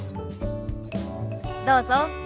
どうぞ。